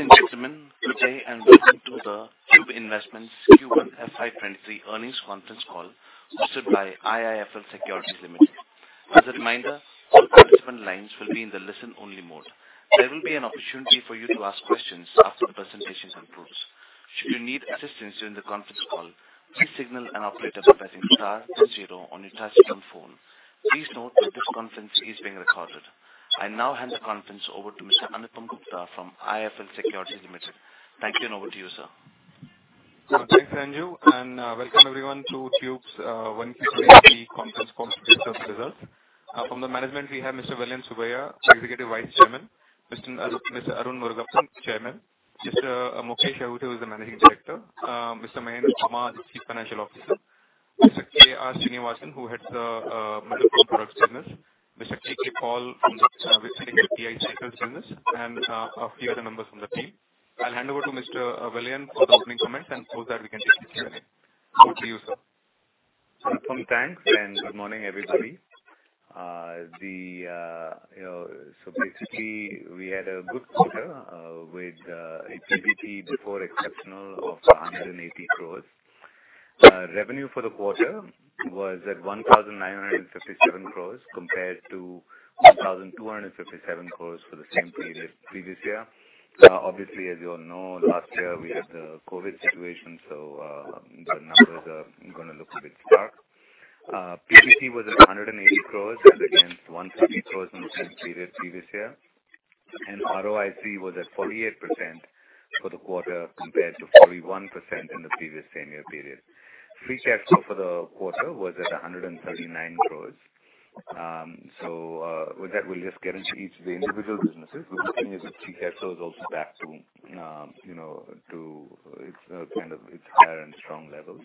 Ladies and gentlemen, good day, and welcome to the Tube Investments of India Q1 FY 2023 earnings conference call hosted by IIFL Securities Limited. As a reminder, all participant lines will be in the listen-only mode. There will be an opportunity for you to ask questions after the presentation concludes. Should you need assistance during the conference call, please signal an operator by pressing star zero on your touchtone phone. Please note that this conference is being recorded. I now hand the conference over to Mr. Anupam Gupta from IIFL Securities Limited. Thank you, and over to you, sir. Thanks, Anju, and welcome everyone to Tube's 1Q23 conference call results. From the management we have Mr. Vellayan Subbiah, Executive Vice Chairman, Mr. Arun Murugappan, Chairman, Mr. Mukesh Ahuja, who is the Managing Director, Mr. Mahendra Kumar, Chief Financial Officer, Mr. K.R. Srinivasan, who heads the metal formed products business, Mr. Kalyan Kumar Paul from the BSA & Hercules cycles business, and a few other members from the team. I'll hand over to Mr. Vellayan for the opening comments, and after that we can take questions. Over to you, sir. Anupam, thanks, and good morning, everybody. You know, basically we had a good quarter with a PBT before exceptional of 180 crore. Revenue for the quarter was at 1,957 crore compared to 1,257 crore for the same period previous year. Obviously, as you all know, last year we had the COVID situation, so the numbers are gonna look a bit dark. PBT was at 180 crore as against 130 crore in the same period previous year. ROIC was at 48% for the quarter, compared to 41% in the previous same year period. Free cash flow for the quarter was at 139 crore. With that, we'll just get into each of the individual businesses. Free cash flow is also back to, you know, to its kind of its higher and strong levels.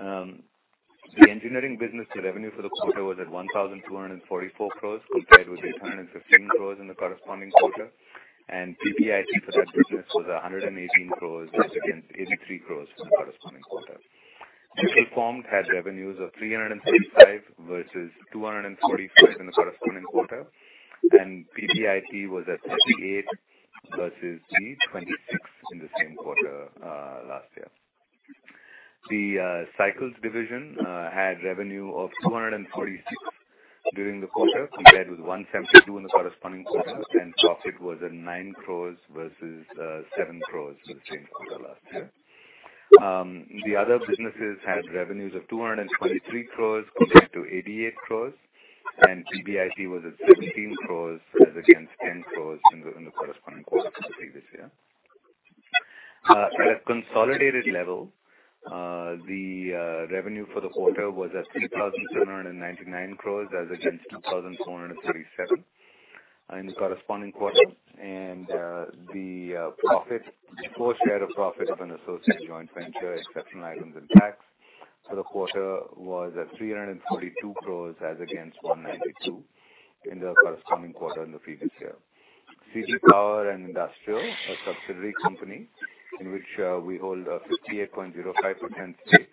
The engineering business revenue for the quarter was at 1,244 crore compared with 815 crore in the corresponding quarter. PBIT for that business was 118 crore as against 83 crore from the corresponding quarter. Metal Formed had revenues of INR 335 crore versus 245 crore in the corresponding quarter, and PBIT was at 38 crore versus 26 crore in the same quarter last year. The cycles division had revenue of 246 crore during the quarter compared with 172 crore in the corresponding quarter. Profit was at 9 crore versus 7 crore for the same quarter last year. The other businesses had revenues of 223 crores compared to 88 crores, and PBIT was at 17 crores as against 10 crores in the corresponding quarter for the previous year. At a consolidated level, revenue for the quarter was at 3,799 crores as against 2,437 crores in the corresponding quarter. Profit after share of profit of associates and joint ventures, exceptional items and tax for the quarter was at 342 crores as against 192 crores in the corresponding quarter in the previous year. CG Power and Industrial Solutions, a subsidiary company in which we hold a 58.05% stake,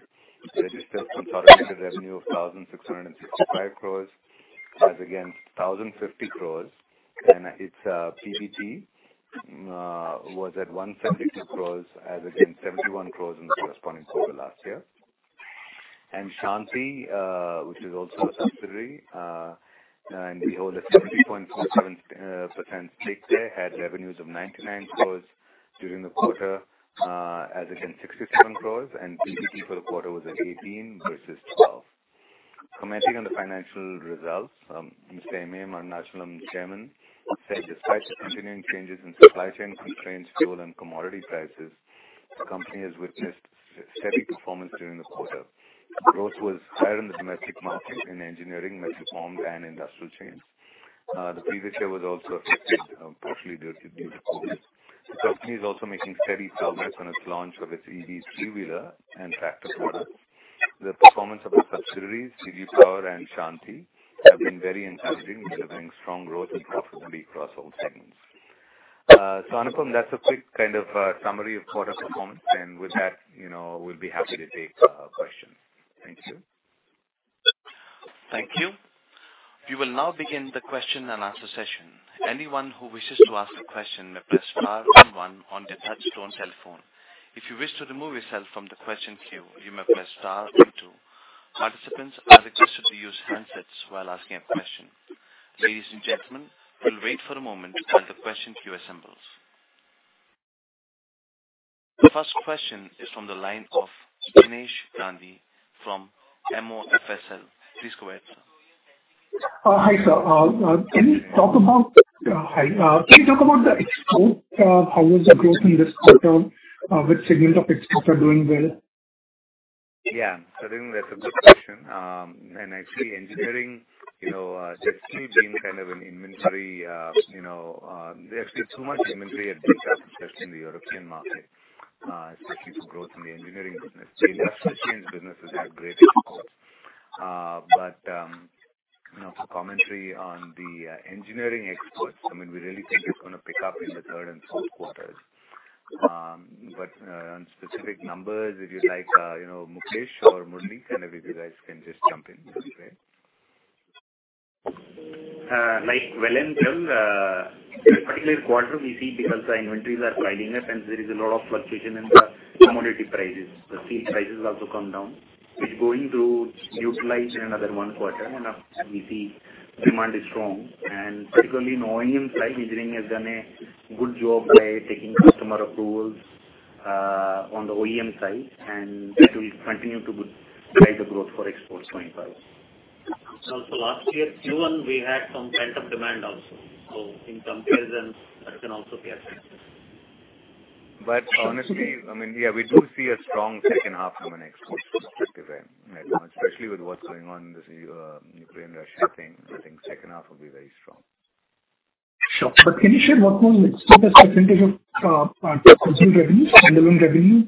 registered consolidated revenue of 1,665 crores as against 1,050 crores. Its PBT was at 172 crore as against 71 crore in the corresponding quarter last year. Shanthi, which is also a subsidiary, and we hold a 70.47% stake there, had revenues of 99 crore during the quarter, as against 67 crore, and PBT for the quarter was at 18 crore versus 12 crore. Commenting on the financial results, Mr. M.M., our Executive Chairman, said despite the continuing challenges in supply chain constraints, fuel and commodity prices, the company has witnessed steady performance during the quarter. Growth was higher in the domestic market in engineering, metal formed products and industrial chains. The previous year was also affected, partially due to COVID. The company is also making steady progress on its launch of its EV three-wheeler and tractor product. The performance of our subsidiaries, CG Power and Shanthi Gears, have been very encouraging. We are having strong growth and profitability across all segments. Anupam, that's a quick kind of summary of quarter performance. With that, you know, we'll be happy to take questions. Thank you. Thank you. We will now begin the question and answer session. Anyone who wishes to ask a question may press star then one on their touchtone cell phone. If you wish to remove yourself from the question queue, you may press star then two. Participants are requested to use handsets while asking a question. Ladies and gentlemen, we'll wait for a moment while the question queue assembles. The first question is from the line of Jinesh Gandhi from MOFSL. Please go ahead, sir. Hi, sir. Can you talk about the export? How was the growth in this quarter? Which segment of exports are doing well? Yeah. I think that's a good question. Actually engineering, you know, there's still too much inventory at dealerships just in the European market, especially for growth in the engineering business. The industrial chains business is at great support. You know, for commentary on the engineering exports, I mean, we really think it's gonna pick up in the third and fourth quarters. On specific numbers, if you'd like, you know, Mukesh or Mudlik, any of you guys can just jump in. That's great. In a particular quarter we see because the inventories are climbing up and there is a lot of fluctuation in the commodity prices. The steel prices also come down. It's going to utilize in another one quarter and after we see demand is strong and particularly in OEM side, engineering has done a good job by taking customer approvals, on the OEM side, and it will continue to drive the growth for exports going forward. Last year, Q1 we had some pent-up demand also. In comparison that can also be affected. Honestly, I mean, yeah, we do see a strong second half from an export perspective right now, especially with what's going on in the Ukraine, Russia thing. I think second half will be very strong. Sure. Can you share what was the percentage of revenue, standalone revenue?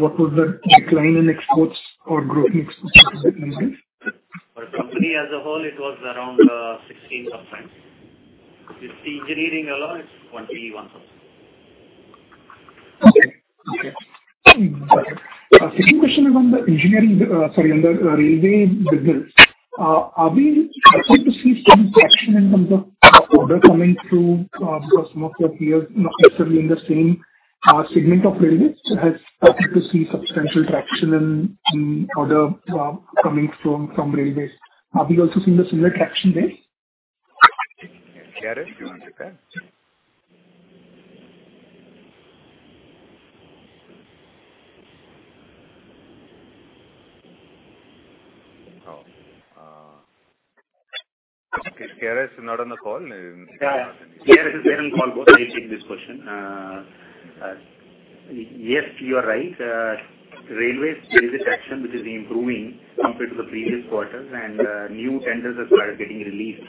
What was the decline in exports or growth in exports in mind? For company as a whole, it was around 16%. If it's engineering alone, it's 21%. Okay. Second question is on the railway business. Are we starting to see some traction in terms of order coming through, because some of your peers not necessarily in the same segment of railways has started to see substantial traction in order coming from railways. Have you also seen the similar traction there? K. R. Srinivasan, do you want to take that? Oh, K. R. Srinivasan is not on the call. Yeah, K.R. Srinivasan is there on call. I'll take this question. Yes, you are right. Railways, there is a traction which is improving compared to the previous quarters and new tenders have started getting released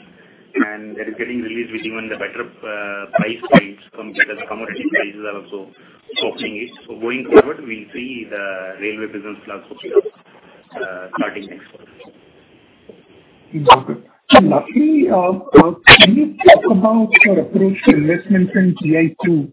and that is getting released with even the better price points from tenders. Commodity prices are also softening it. Going forward we'll see the railway business starting next quarter. Okay. Lastly, can you talk about your approach to investments in GI-2,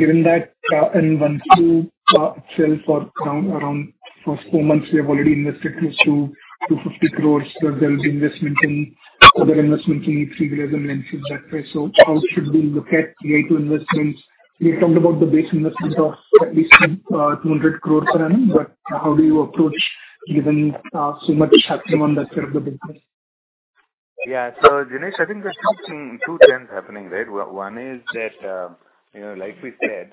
given that in one two itself or around the first four months you have already invested close to 250 crore. There will be investment in other investments in INR 3 billion and since that way. How should we look at GI-2 investments? You talked about the base investments of at least 200 crore per annum, but how do you approach given so much happening on that side of the business? Yeah. Jinesh, I think there's two trends happening, right? One is that, you know, like we said,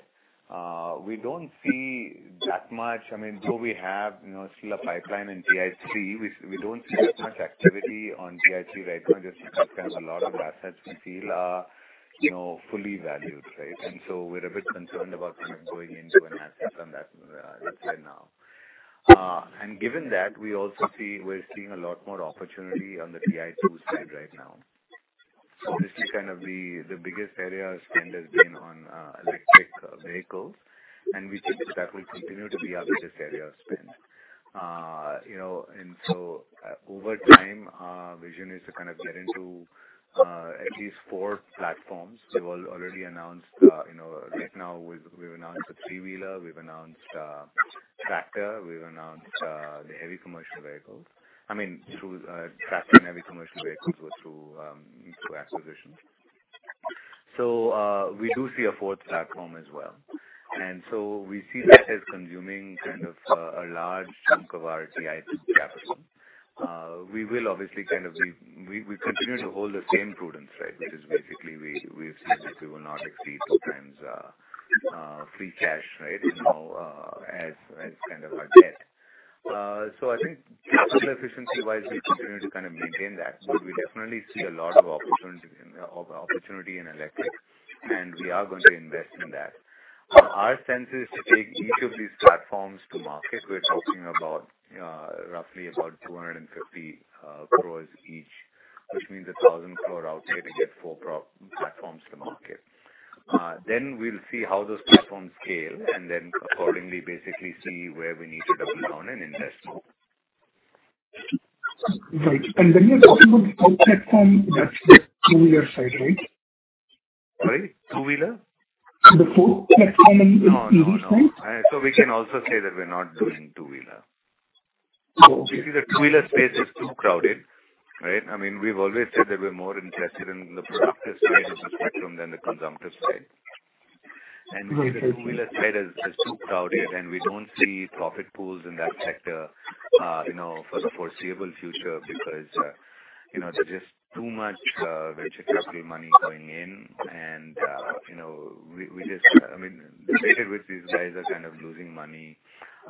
we don't see that much. I mean, though we have, you know, still a pipeline in GI-3, we don't see that much activity on GI-3 right now just because a lot of the assets we feel are, you know, fully valued, right? And so we're a bit concerned about kind of going into an asset on that right now. And given that, we also see we're seeing a lot more opportunity on the GI two side right now. Obviously, kind of the biggest area of spend has been on electric vehicles, and we think that will continue to be our biggest area of spend. You know, over time, our vision is to kind of get into at least four platforms. We've already announced, you know, right now we've announced a three-wheeler. We've announced tractor. We've announced the heavy commercial vehicles. I mean, tractor and heavy commercial vehicles were through acquisitions. We do see a fourth platform as well. We see that as consuming kind of a large chunk of our GI-2 capital. We continue to hold the same prudence, right? Which is basically we've said that we will not exceed 2x free cash, right? You know, as kind of our debt. I think capital efficiency wise, we continue to kind of maintain that. We definitely see a lot of opportunity in electric and we are going to invest in that. Our sense is to take each of these platforms to market. We're talking about roughly about 250 crore each, which means an 1,000 crore outlay to get four product platforms to market. We'll see how those platforms scale and then accordingly basically see where we need to double down and invest more. Right. When you're talking about fourth platform, that's the two-wheeler side, right? Sorry. Two-wheeler? The fourth platform in TI side. No, no. We can also say that we're not doing two-wheeler. Okay. We see the two-wheeler space is too crowded, right? I mean, we've always said that we're more interested in the productive side of the spectrum than the consumptive side. We see the two-wheeler side as too crowded, and we don't see profit pools in that sector, you know, for the foreseeable future because, you know, there's just too much venture capital money going in. You know, we just, I mean, debated with these guys are kind of losing money.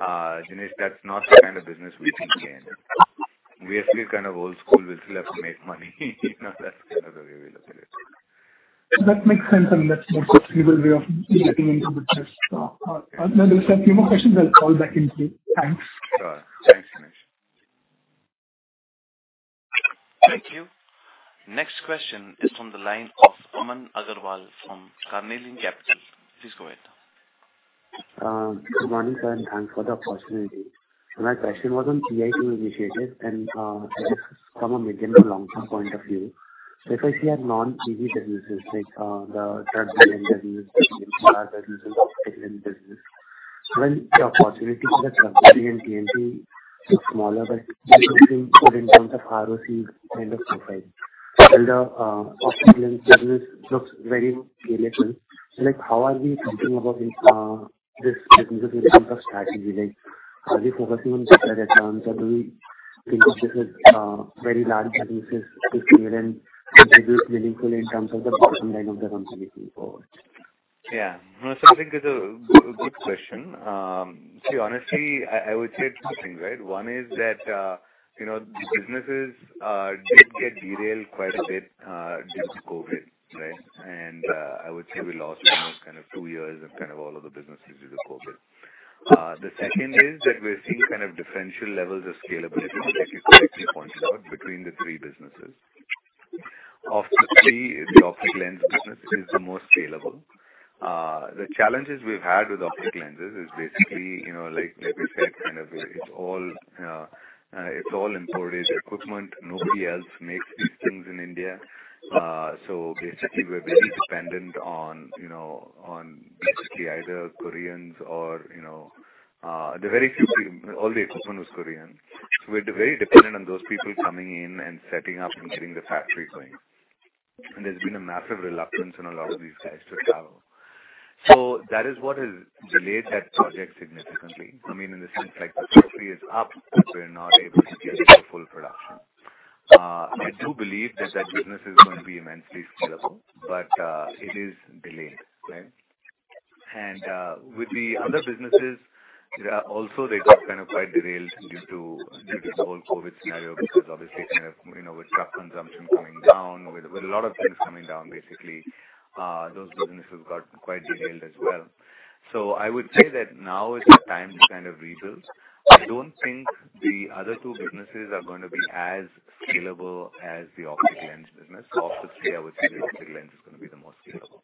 Jinesh Gandhi, that's not the kind of business we think in. We're still kind of old school. We still have to make money. You know, that's kind of the way we look at it. That makes sense. That's more sustainable way of getting into the space. There are a few more questions I'll call back to you. Thanks. Sure. Thanks, Jinesh. Thank you. Next question is from the line of Aman Agarwal from Carnelian Capital. Please go ahead. Good morning, sir, and thanks for the opportunity. My question was on GI-2 initiatives and, just from a medium to long term point of view. If I see at non-TI businesses like, the truck business or other pieces of business. Well, the opportunity for the truck CV and tractor is smaller, but looking good in terms of ROC kind of profile. The optical lens business looks very scalable. Like, how are we thinking about this business in terms of strategy? Like, are we focusing on better returns or do we think of this as, very large businesses to create and contribute meaningfully in terms of the bottom line of the company going forward? Yeah. No, I think it's a good question. See, honestly, I would say two things, right? One is that, you know, these businesses did get derailed quite a bit due to COVID, right? I would say we lost almost kind of two years of kind of all of the businesses due to COVID. The second is that we're seeing kind of differential levels of scalability, like you correctly pointed out, between the three businesses. Of the three, the optical lens business is the most scalable. The challenges we've had with optical lenses is basically, you know, like we said, kind of, it's all imported equipment. Nobody else makes these things in India. So basically, we're very dependent on, you know, on basically either Koreans or, you know, the very few people. All the equipment was Korean. We're very dependent on those people coming in and setting up and getting the factory going. There's been a massive reluctance on a lot of these guys to travel. That is what has delayed that project significantly. I mean, in the sense, like the factory is up, but we're not able to get it to full production. I do believe that business is gonna be immensely scalable, but, it is delayed, right? With the other businesses, also they got kind of quite derailed due to the whole COVID scenario because obviously, kind of, you know, with truck consumption coming down, with a lot of things coming down, basically, those businesses got quite derailed as well. I would say that now is the time to kind of rebuild. I don't think the other two businesses are gonna be as scalable as the optical lens business. Of the three, I would say the optical lens is gonna be the most scalable.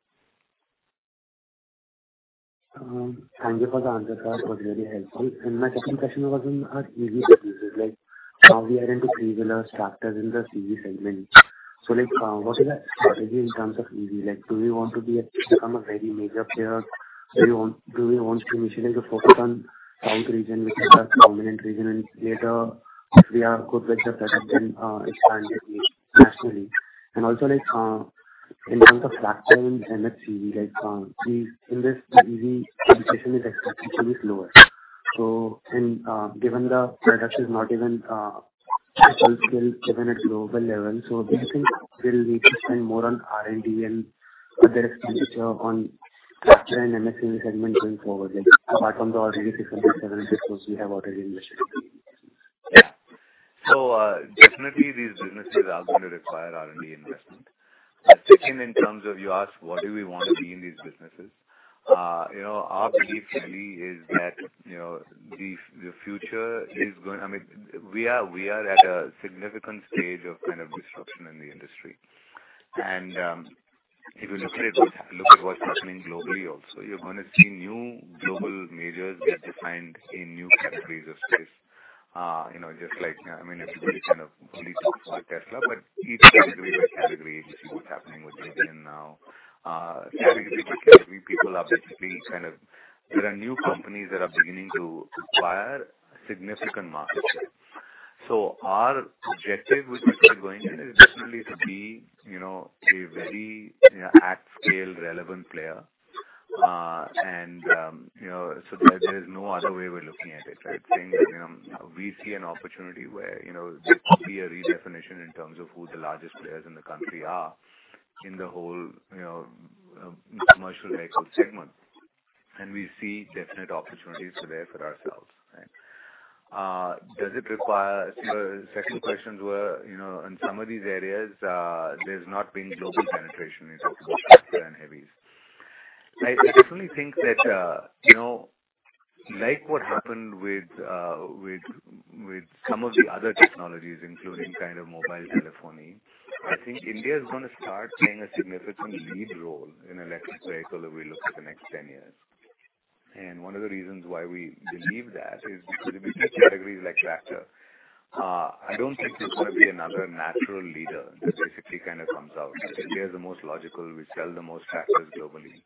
Thank you for the answer. That was really helpful. My second question was on our EV business. Like, now we are into three-wheeler tractors in the CV segment. Like, what is our strategy in terms of EV? Like, do we want to become a very major player? Do we want to initially just focus on south region, which is our dominant region, and later, if we are good with the product, expand it nationally? Also, in terms of tractor and MFC, in this EV penetration is expected to be slower. Given the product is not even at scale even at global level, basically we'll need to spend more on R&D and other expenditure on tractor and MFC segment going forward. Like, apart from the already 670+ we have already invested. Definitely these businesses are gonna require R&D investment. Second, in terms of you asked what do we wanna be in these businesses. Our belief generally is that, you know, the future is gonna. I mean, we are at a significant stage of kind of disruption in the industry. If you look at what's happening globally also, you are gonna see new global majors get defined in new categories of space. You know, just like, I mean, everybody kind of only talks about Tesla, but if you category by category, you see what's happening in India now. Category by category, people are basically. There are new companies that are beginning to acquire significant market share. Our objective with which we're going in is definitely to be, you know, a very, you know, at scale relevant player. You know, there is no other way we're looking at it, right? Saying that, you know, we see an opportunity where, you know, there's gonna be a redefinition in terms of who the largest players in the country are in the whole, you know, commercial vehicle segment. We see definite opportunities there for ourselves, right? Does it require. Your second questions were, you know, in some of these areas, there's not been global penetration in terms of tractor and heavies. I definitely think that, you know, like what happened with some of the other technologies, including kind of mobile telephony, I think India is gonna start playing a significant lead role in electric vehicle if we look at the next 10 years. One of the reasons why we believe that is because in business categories like tractor, I don't think there's gonna be another natural leader that basically kind of comes out. India is the most logical. We sell the most tractors globally.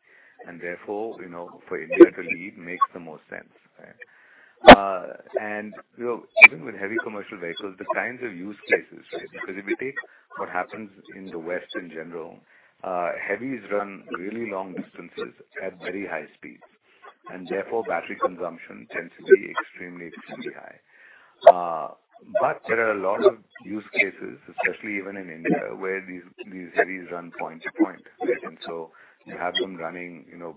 Therefore, you know, for India to lead makes the most sense, right? You know, even with heavy commercial vehicles, the kinds of use cases, right? Because basically what happens in the West in general, heavies run really long distances at very high speeds, and therefore, battery consumption tends to be extremely high. There are a lot of use cases, especially even in India, where these heavies run point to point, right? You have them running, you know,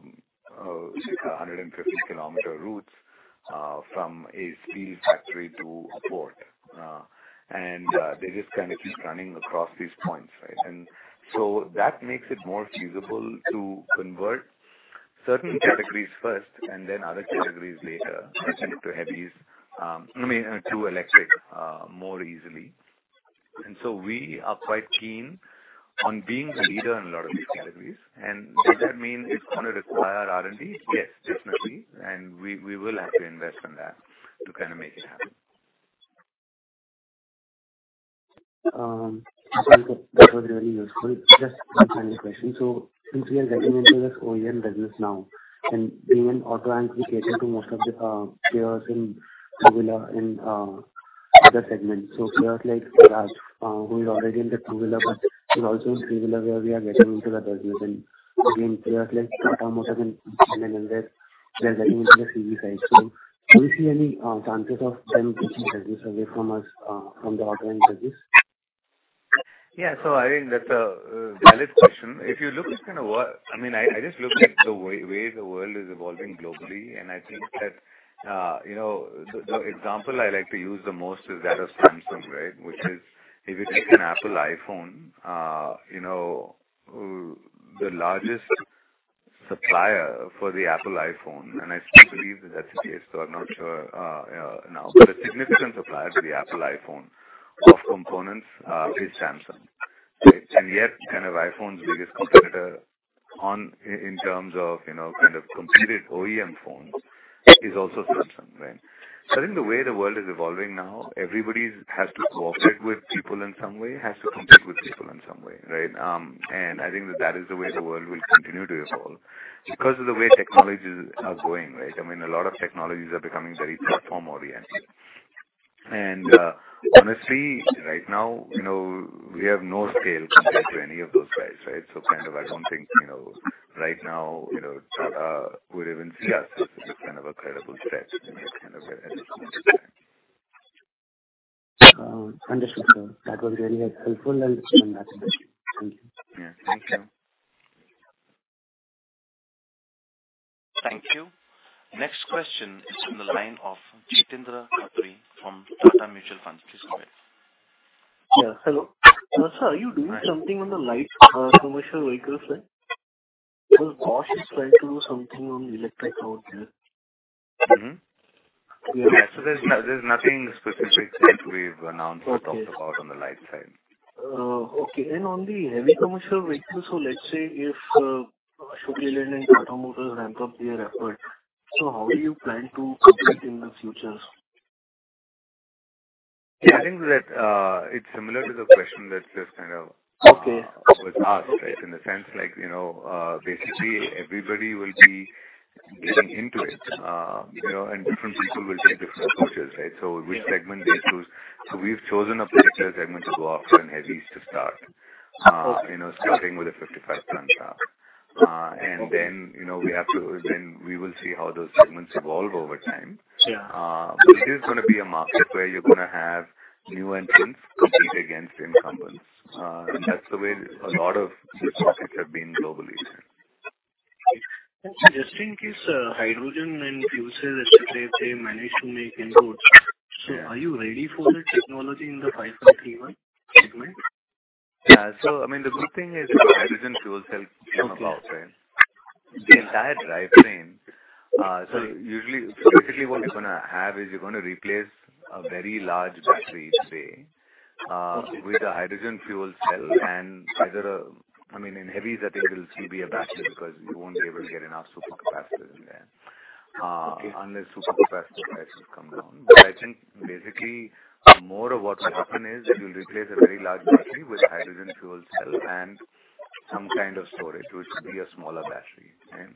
150 kilometer routes, from a steel factory to a port. They're just kind of running across these points, right? That makes it more feasible to convert certain categories first and then other categories later, especially to heavies, I mean, to electric, more easily. We are quite keen on being a leader in a lot of these categories. Does that mean it's gonna require R&D? Yes, definitely. We will have to invest on that to kind of make it happen. That was really useful. Just one final question. Since we are getting into this OEM business now and being an auto ancillary cater to most of the players in two-wheeler and other segments. Players like Bajaj, who is already in the two-wheeler, but is also in three-wheeler, where we are getting into the business and again players like Tata Motors and M&M, they're getting into the CV side. Do you see any chances of them taking business away from us from the auto business? Yeah. I think that's a valid question. If you look at kind of what I mean, I just look at the way the world is evolving globally, and I think that, you know, the example I like to use the most is that of Samsung, right? Which is if you take an Apple iPhone, you know, the largest supplier for the Apple iPhone, and I still believe that that's the case, though I'm not sure now. But a significant supplier to the Apple iPhone of components is Samsung, right? And yet kind of iPhone's biggest competitor on, in terms of, you know, kind of competitive OEM phones is also Samsung, right? I think the way the world is evolving now, everybody's has to cooperate with people in some way, has to compete with people in some way, right? I think that is the way the world will continue to evolve because of the way technologies are going, right? I mean, a lot of technologies are becoming very platform oriented. Honestly, right now, you know, we have no scale compared to any of those guys, right? Kind of I don't think, you know, right now, you know, would even see ourselves as a kind of a credible threat in that kind of a ecosystem. Understood, sir. That was really helpful understanding that question. Thank you. Yeah. Thank you. Thank you. Next question is from the line of Jeetendra Khatri from Tata Mutual Fund. Please go ahead. Yeah, hello. Sir, are you doing something on the light commercial vehicle side? Because Bosch is trying to do something on electric out there. Mm-hmm. Yeah. There's nothing specific that we've announced or talked about on the light side. On the heavy commercial vehicles, let's say if Ashok Leyland and Tata Motors ramp up their effort, how do you plan to compete in the future? Yeah, I think that it's similar to the question that just kind of. Okay. was asked, right? In the sense like, you know, basically everybody will be getting into it, you know, and different people will take different approaches, right? Yeah. Which segment they choose? We've chosen a particular segment of trucks and heavies to start. Okay. You know, starting with the 55-ton truck. You know, we will see how those segments evolve over time. Sure. It is gonna be a market where you're gonna have new entrants compete against incumbents. That's the way a lot of these markets have been globally. Just in case, hydrogen and fuel cells, et cetera, they manage to make inroads. Yeah. Are you ready for the technology in the 5.31 segment? Yeah. I mean, the good thing is with Hydrogen Fuel Cell come about, right? Okay. The entire drivetrain. Usually, basically what you're gonna have is you're gonna replace a very large battery, say, with a hydrogen fuel cell, I mean, in heavies I think there'll still be a battery because you won't be able to get enough supercapacitors in there, unless supercapacitor prices come down. I think basically more of what will happen is you'll replace a very large battery with a hydrogen fuel cell and some kind of storage, which will be a smaller battery. Right?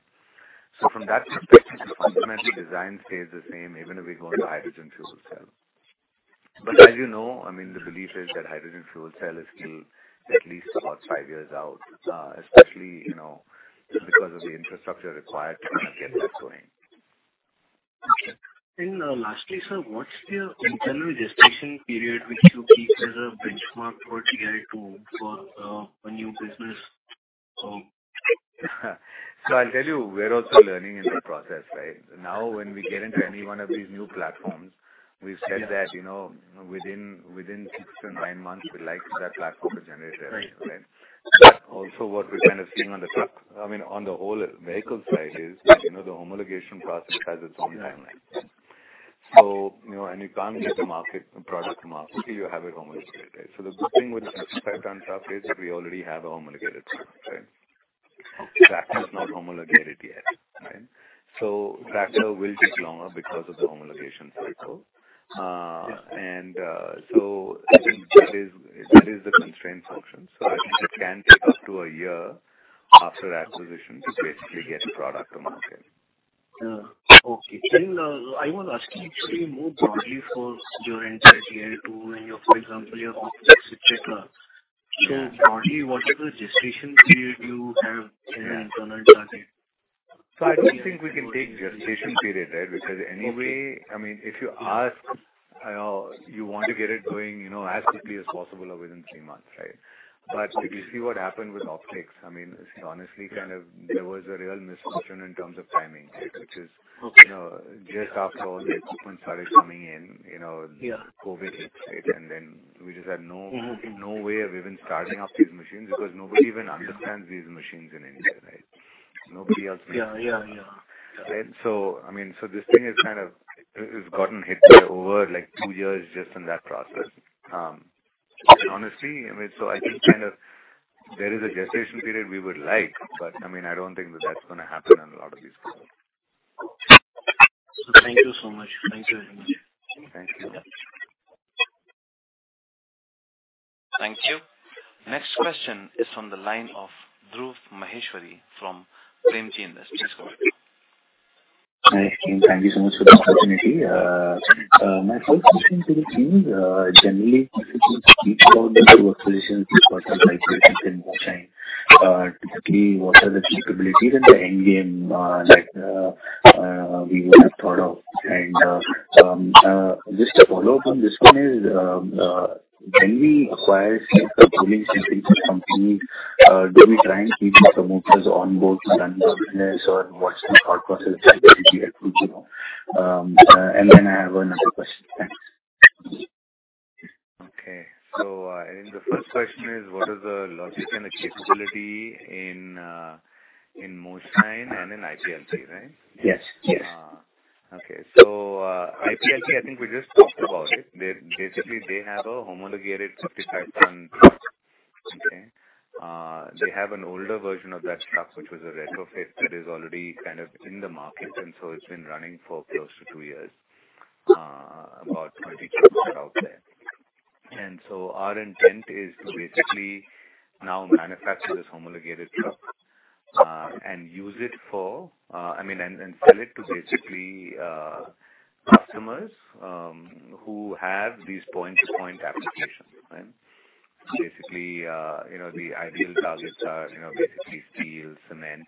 From that perspective, the fundamental design stays the same even if we go into hydrogen fuel cell. As you know, I mean, the belief is that hydrogen fuel cell is still at least about five years out, especially, you know, because of the infrastructure required to kind of get that going. Okay. Lastly, sir, what's your internal gestation period which you keep as a benchmark for GI-2 for a new business? I'll tell you, we're also learning in that process, right? Now when we get into any one of these new platforms, we've said that, you know, within six to nine months we'd like that platform to generate revenue. Right. What we're kind of seeing on the truck, I mean, on the whole vehicle side is, you know, the homologation process has its own timeline. Yeah. You know, and you can't get a market, a product to market till you have it homologated, right? The good thing with the 55-ton truck is that we already have a homologated truck, right? Okay. Tractor is not homologated yet, right? Tractor will take longer because of the homologation cycle. I think that is the constraint function. I think it can take up to a year after acquisition to basically get a product to market. Yeah. Okay. I was asking actually more broadly for your entire GI-2 and your, for example, your Optics, et cetera. Yeah. Broadly, what is the gestation period you have in an internal target? I don't think we can take gestation period, right? Because anyway, I mean, if you ask, you want to get it going, you know, as quickly as possible or within three months, right? Did you see what happened with Optics? I mean, honestly, kind of there was a real misfortune in terms of timing, right? Which is. Okay. You know, just after all the equipment started coming in, you know. Yeah. COVID hit, right? Then we just had no way of even starting up these machines because nobody even understands these machines in India, right? Nobody else makes them. Yeah. Right. I mean, so this thing is kind of, it's gotten hit by over like two years just in that process. Honestly, I mean, I think kind of there is a gestation period we would like, but I mean, I don't think that that's gonna happen on a lot of these products. Thank you very much. Thank you. Thank you. Next question is from the line of Dhruv Maheshwari from Premji Invest. Please go ahead. Hi, Kim. Thank you so much for the opportunity. My first question to the team, generally what are the capabilities and the end game that we would have thought of? Just a follow-up on this one is, when we acquire company, do we try and keep the promoters on board to run the business or what's the thought process, and then I have another question. Thanks. I think the first question is what is the logic and the capability in Moshine and in IPLT, right? Yes. Yes. Okay. IPLT, I think we just talked about it. They basically have a homologated 55-ton, okay? They have an older version of that truck, which was a retrofit that is already kind of in the market, and so it's been running for close to two years. About 20 trucks are out there. Our intent is to basically now manufacture this homologated truck, and sell it to basically customers who have these point-to-point applications, right? Basically, you know, the ideal targets are, you know, basically steel, cement.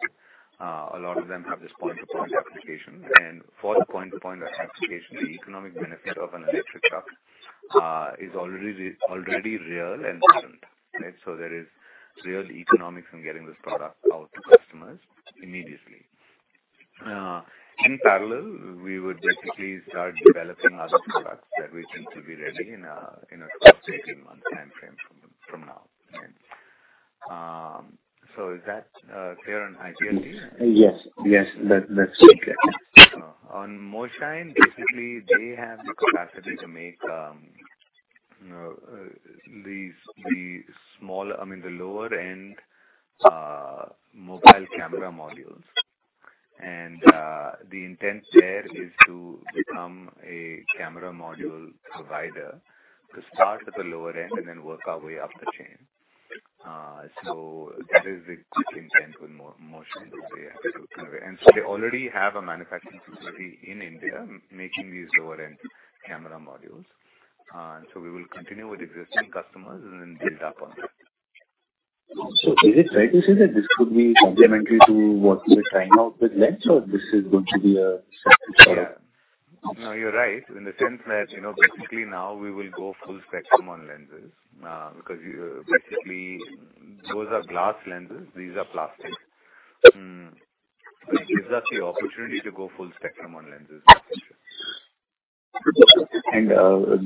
A lot of them have this point-to-point application. For the point-to-point application, the economic benefit of an electric truck is already real and present. Right? There is real economics in getting this product out to customers immediately. In parallel, we would basically start developing other products that we think will be ready in a 12-18 month timeframe from now. Right? Is that clear on IPLT? Yes. Yes. That's clear. On Moshain, basically they have the capacity to make the small, I mean, the lower end mobile camera modules. The intent there is to become a camera module provider to start at the lower end and then work our way up the chain. That is the intent with Moshain. Yeah. They already have a manufacturing facility in India making these lower end camera modules. We will continue with existing customers and then build up on that. Is it fair to say that this could be complementary to what you were trying out with lens or this is going to be a separate product? No, you're right in the sense that, you know, basically now we will go full spectrum on lenses, because basically those are glass lenses, these are plastic. This gives us the opportunity to go full spectrum on lenses.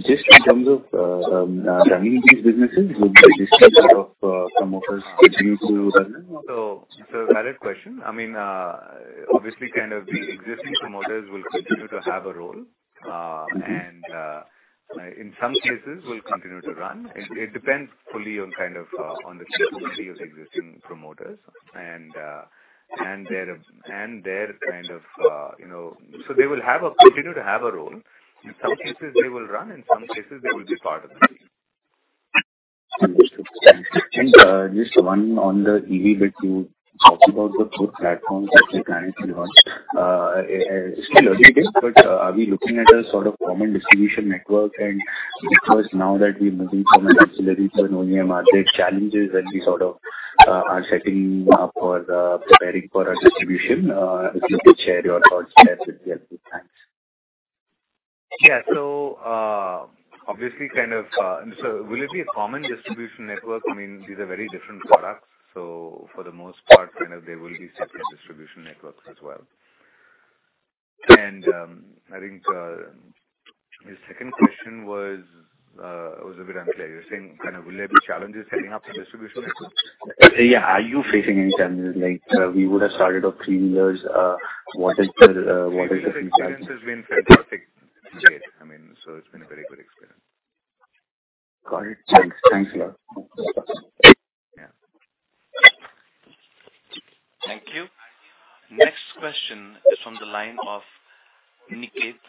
Just in terms of running these businesses, will the existing set of promoters continue to run them or? It's a valid question. I mean, obviously kind of the existing promoters will continue to have a role, and in some cases will continue to run. It depends fully on kind of on the capability of the existing promoters and their kind of, you know. They will continue to have a role. In some cases they will run, in some cases they will be part of the team. Understood. Thanks. Just one on the EV bit. You talked about the four platforms that you're planning to launch. It's still early days, but are we looking at a sort of common distribution network? Of course, now that we're moving from an ancillary to an OEM market, challenges that we're sort of preparing for our distribution, if you could share your thoughts there, it'd be helpful. Thanks. Yeah. Obviously kind of will it be a common distribution network? I mean, these are very different products, so for the most part, kind of, they will be separate distribution networks as well. I think the second question was a bit unclear. You're saying kind of will there be challenges heading up the distribution network? Yeah. Are you facing any challenges like we would have started off three years, what is the? The experience has been fantastic to date. I mean, it's been a very good experience. Got it. Thanks. Thanks a lot. Yeah. Thank you. Next question is from the line of Niket Shah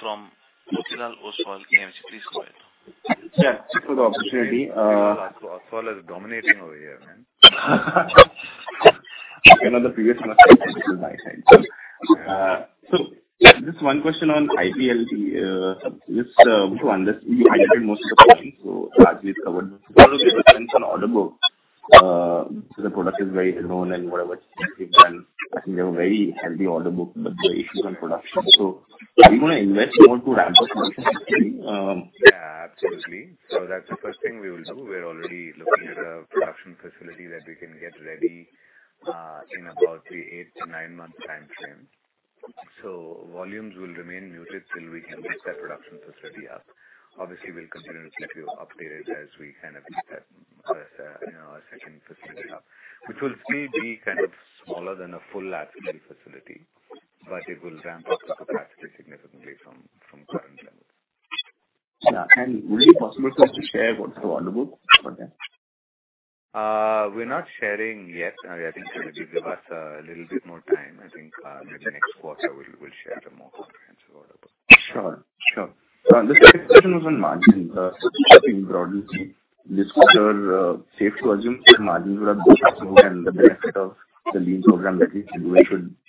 from Motilal Oswal AMC. Please go ahead. Yeah. Thanks for the opportunity. Oswal is dominating over here, man. You know, the previous one my side. Just one question on IPLT. Just to understand, you highlighted most of the points, so largely it's covered. Just wanted to get a sense on order book. The product is very well known and whatever you've done, I think you have a very healthy order book, but there are issues on production. Are you gonna invest more to ramp up production capacity? Yeah, absolutely. That's the first thing we will do. We're already looking at a production facility that we can get ready in about the 8-9 month timeframe. Volumes will remain muted till we can get that production facility up. Obviously, we'll continue to keep you updated as we kind of get that, you know, our second facility up, which will still be kind of smaller than a full assembly facility, but it will ramp up the capacity significantly from current. Yeah. Will it be possible for us to share what's the order book for that? We're not sharing yet. I think, maybe give us a little bit more time. I think, maybe next quarter we'll share a more comprehensive order book. Sure. The second question was on margin. Just having broadly this quarter, safe to assume that margins would have boosted and the benefit of the Lean program that you've been doing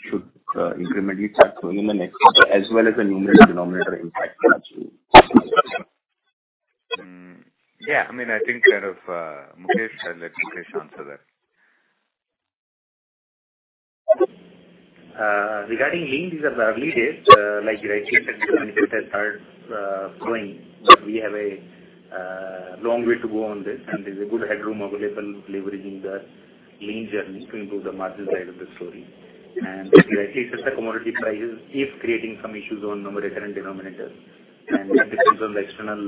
should incrementally start flowing in the next quarter, as well as the numerator and denominator impact actually. Yeah, I mean, I think kind of, Mukesh. I'll let Mukesh answer that. Regarding lean, these are the early days. Like you rightly said, benefits have started flowing, but we have a long way to go on this, and there's a good headroom available leveraging the lean journey to improve the margin side of the story. Rightly said, the commodity prices is creating some issues on numerator and denominator. That depends on the external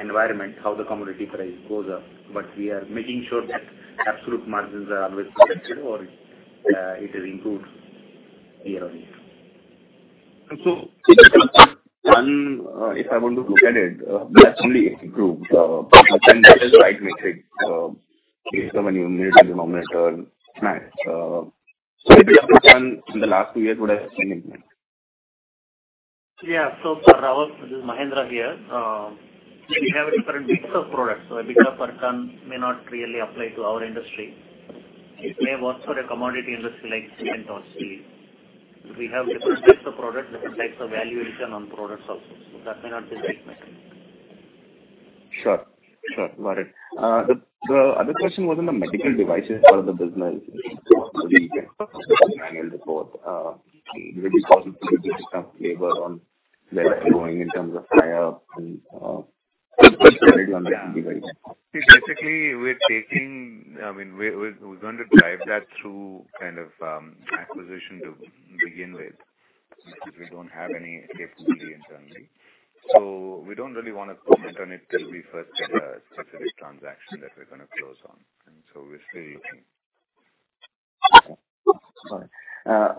environment, how the commodity price goes up. We are making sure that absolute margins are always protected or it is improved year on year. If I want to look at it, that's only improved, but then that is the right metric based on the numerator and denominator. Based on the last two years would have been improved. Yeah. For Niket, this is Mahendra here. We have a different mix of products, so EBITDA per ton may not really apply to our industry. It may work for a commodity industry like cement or steel. We have different types of products, different types of valuation on products also. That may not be the right metric. Sure. Got it. The other question was on the medical devices part of the business annual report. Will it be possible to give some flavor on where you are going in terms of hire and, See, basically, I mean, we're going to drive that through kind of acquisition to begin with, because we don't have any capability internally. We don't really wanna comment on it till we first get a specific transaction that we're gonna close on. We're still looking. Okay. Got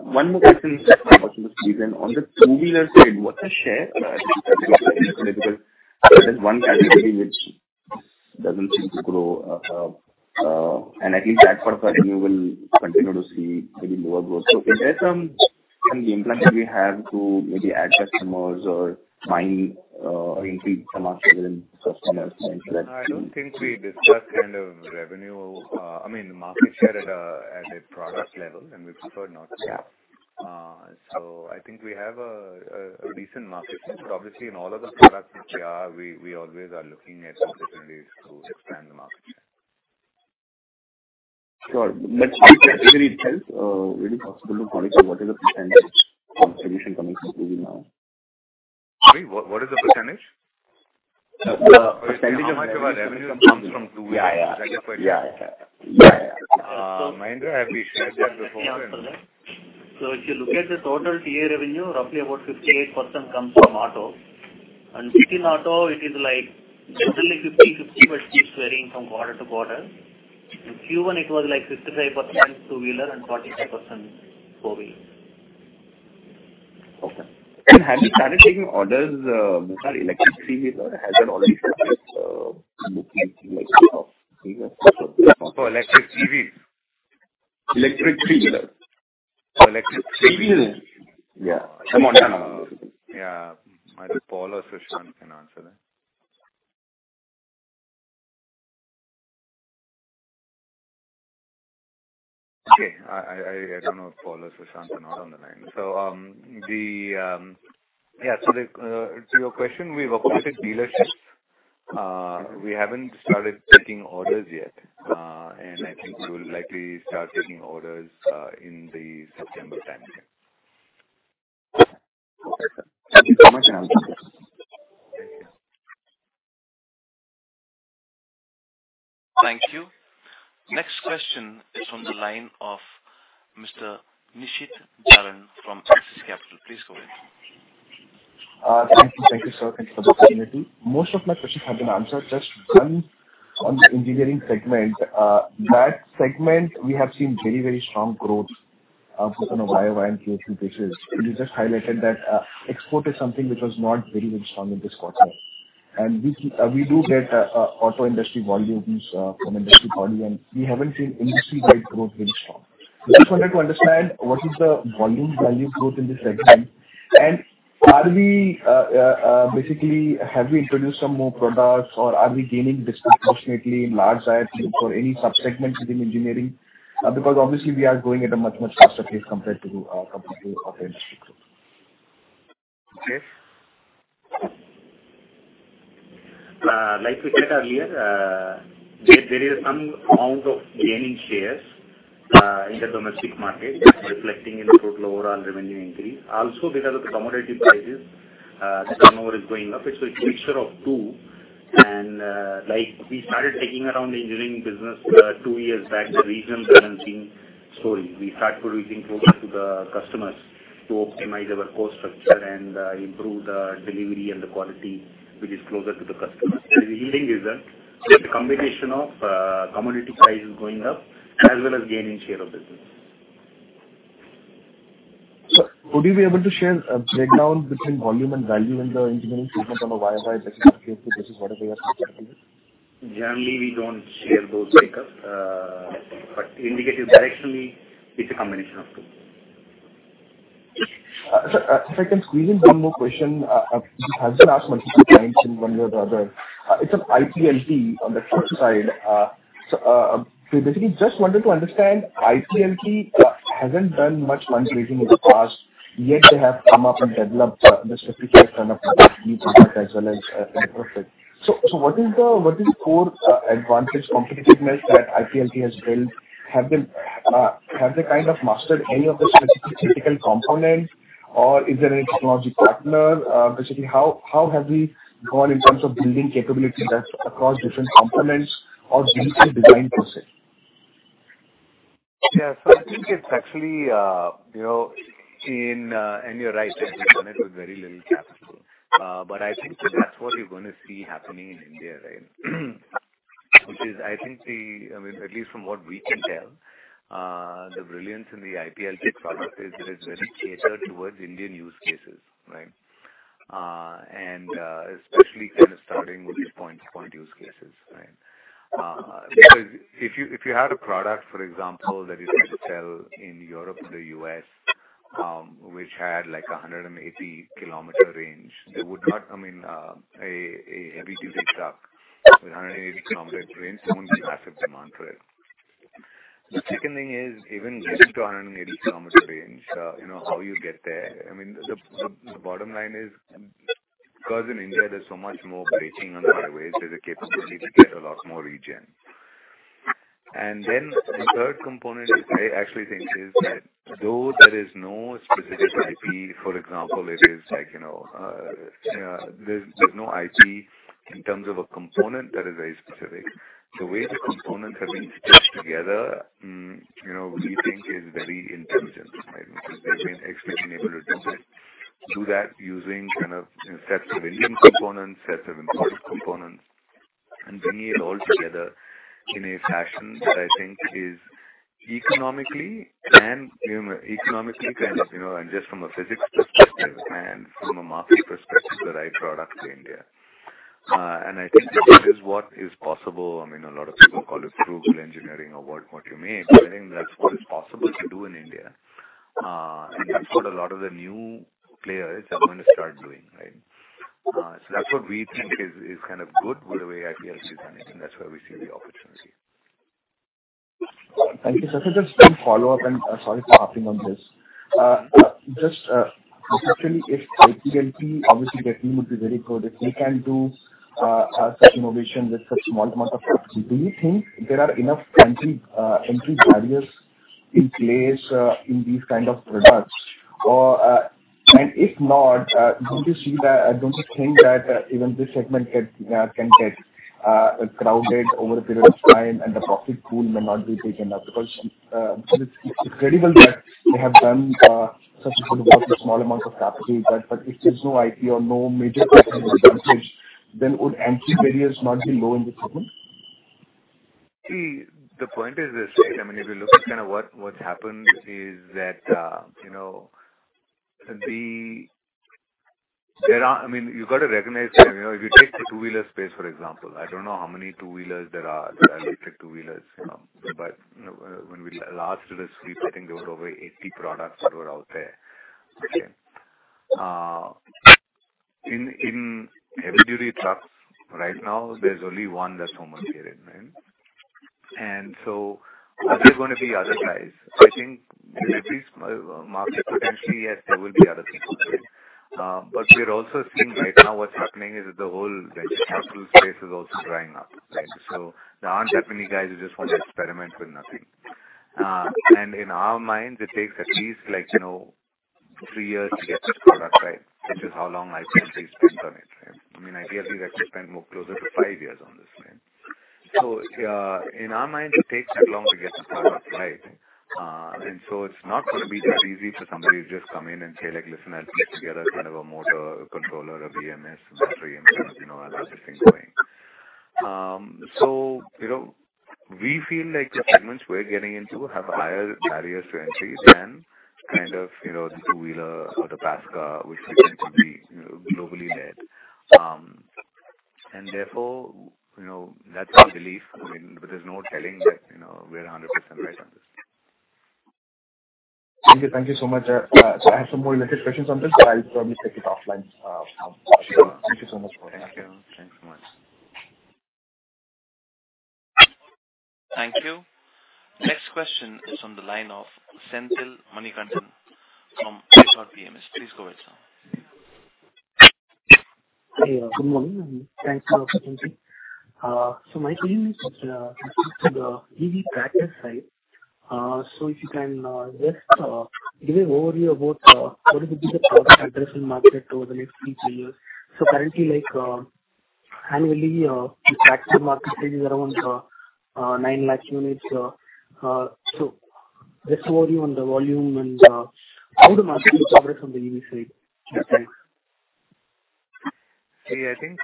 it. One more question, if possible, please. On the two-wheeler side, what's the share because that is one category which doesn't seem to grow, and at least that part of the revenue will continue to see maybe lower growth. Is there some game plan that we have to maybe add customers or find, or increase the market within customers to ensure that. I don't think we discuss kind of revenue. I mean, the market share at a product level, and we prefer not to. I think we have a decent market share. Obviously in all of the products which we are, we always are looking at opportunities to expand the market share. Sure. Specifically itself, will it be possible to quantify what is the percentage of solution coming from two-wheeler? Sorry, what is the percentage? The percentage of revenue. How much of our revenue comes from two-wheeler? Yeah, yeah. Is that your question? Yeah. Mahendra, have you shared that before? I can answer that. If you look at the total TI revenue, roughly about 58% comes from auto. Within auto it is like roughly 50-50, but keeps varying from quarter to quarter. In Q1 it was like 55% two-wheeler and 45% four-wheeler. Okay. Have you started taking orders, Mukesh, for electric three-wheeler? Has that already started booking electric three-wheeler? For electric TI? Electric three-wheeler. Oh, electric three-wheeler. Three-wheeler. Yeah. Montra. Yeah. Either Paul or Sushant can answer that. Okay. I don't know if Paul or Sushant are not on the line. To your question, we've appointed dealerships. We haven't started taking orders yet. I think we will likely start taking orders in the September timeframe. Okay. Thank you so much, and I'll Thank you. Next question is from the line of Mr. Nishit Jalan from Axis Capital. Please go ahead. Thank you. Thank you, sir. Thanks for the opportunity. Most of my questions have been answered. Just one on engineering segment. That segment we have seen very, very strong growth, both on a year-over-year and quarter-over-quarter basis. You just highlighted that export is something which was not very, very strong in this quarter. We do get auto industry volumes from industry body, and we haven't seen industry-wide growth very strong. Just wanted to understand what is the volume value growth in this segment. Are we basically have we introduced some more products or are we gaining disproportionately in large OEM for any sub-segments within engineering? Because obviously we are growing at a much, much faster pace compared to auto industry growth. Mukesh. Like we said earlier, there is some amount of gaining shares in the domestic market that's reflecting in the total overall revenue increase. Also because of the commodity prices, turnover is going up. It's a mixture of two. Like we started talking about engineering business two years back with regional balancing story. We start producing closer to the customers to optimize our cost structure and improve the delivery and the quality which is closer to the customers. There is a yielding result with the combination of commodity prices going up as well as gaining share of business. Sir, would you be able to share a breakdown between volume and value in the engineering segment on a Y-o-Y basis or Q-o-Q basis, whatever you are comfortable with? Generally, we don't share those break-up. To indicate to you directionally, it's a combination of two. Sir, if I can squeeze in one more question, which has been asked multiple times in one way or the other. It's on IPLT on the truck side. We basically just wanted to understand. IPLT hasn't done much fundraising in the past, yet they have come up and developed the specific as well as retrofit. What is core advantage competitiveness that IPLT has built? Have they kind of mastered any of the specific technical components or is there any technology partner? Basically how have we gone in terms of building capability that's across different components or vehicle design process? Yes, I think it's actually. You're right, they have done it with very little capital. I think that's what you're gonna see happening in India, right? Which is, I think. I mean, at least from what we can tell, the brilliance in the IPLT product is that it's very catered towards Indian use cases, right? Especially kind of starting with these point-to-point use cases, right? Because if you had a product, for example, that you try to sell in Europe or the US, which had like a 180 kilometer range, a heavy-duty truck with a 180 kilometer range, there won't be massive demand for it. The second thing is even getting to a 180 kilometers range, you know, how you get there. I mean, the bottom line is, because in India there's so much more braking on the highways, there's a capability to get a lot more regen. The third component I actually think is that though there is no specific IP, for example, it is like, you know, there's no IP in terms of a component that is very specific. The way the components have been stitched together, you know, we think is very intelligent, right? Because they've been extremely able to do that using kind of, you know, sets of Indian components, sets of imported components, and bringing it all together in a fashion that I think is economically and, you know, economically kind of, you know, and just from a physics perspective and from a market perspective, the right product for India. I think that is what is possible. I mean, a lot of people call it frugal engineering or what have you, but I think that's what is possible to do in India. That's what a lot of the new players are gonna start doing, right? That's what we think is kind of good with the way IPLT is managing. That's where we see the opportunity. Thank you. Sir, just one follow-up and sorry for harping on this. Just especially if IPLT, obviously, their team would be very good if they can do such innovation with such small amount of capital. Do you think there are enough entry barriers in place in these kind of products? If not, don't you see that, don't you think that, even this segment can get crowded over a period of time and the profit pool may not be big enough? Because it's incredible that they have done such a good work with small amount of capital, but if there's no IP or no major technology advantage, then would entry barriers not be low in this segment? See, the point is this, right? I mean, if you look at kinda what's happened is that, you know, there are I mean, you've got to recognize that, you know, if you take the two-wheeler space, for example, I don't know how many two-wheelers there are, electric two-wheelers, but, you know, when we last did a sweep, I think there were over 80 products that were out there. In heavy-duty trucks right now, there's only one that's homologated, right? Are there gonna be other guys? I think at least market potentially, yes, there will be other people. But we're also seeing right now what's happening is the whole, like, capital space is also drying up, right? So there aren't that many guys who just want to experiment with nothing. In our minds, it takes at least like, you know, three years to get this product right, which is how long IPLT spent on it, right? I mean, IPLT actually spent more closer to five years on this, right? In our minds, it takes that long to get the product right. It's not gonna be that easy for somebody to just come in and say, like, "Listen, I'll put together kind of a motor, a controller, a BMS, battery, and kind of, you know, I'll get this thing going." So you know, we feel like the segments we're getting into have higher barriers to entry than kind of, you know, the two-wheeler or the passenger car, which tends to be, you know, globally led. Therefore, you know, that's our belief. I mean, there's no telling that, you know, we're 100% right on this. Thank you. Thank you so much. I have some more related questions on this, but I'll probably take it offline now. Thank you so much for your time. Thank you. Thanks so much. Thank you. Next question is on the line of Senthil Manikandan from Kresha Financial Services. Please go ahead, sir. Hi. Good morning and thanks for attending. My team is interested EV tractor side. If you can just give an overview about what is the total addressable market over the next three to 10 years. Currently, like, annually, the tractor market size is around 9 lakh units. Just overview on the volume and how the market will recover from the EV side. Thanks. See, I think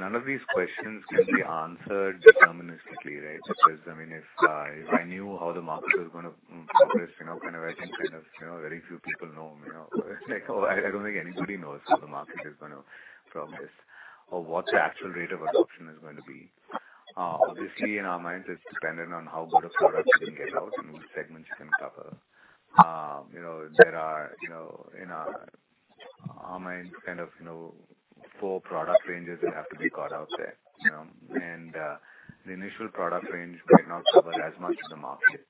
none of these questions can be answered deterministically, right? Because I mean, if I knew how the market was gonna progress, you know, very few people know, you know. Like, I don't think anybody knows how the market is gonna progress or what the actual rate of adoption is going to be. Obviously in our minds, it's dependent on how good a product you can get out and which segments you can cover. You know, there are in our minds kind of four product ranges that have to be got out there, you know. The initial product range may not cover as much of the market.